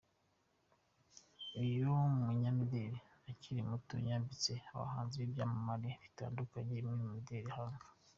Uyu munyamideli ukiri muto yambitse abahanzi n’ibyamamare bitandukanye imwe mu mideli ahanga.